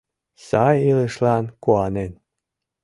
Сай илышлан куанен